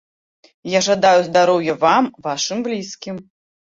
Я жадаю здароўя вам, вашым блізкім.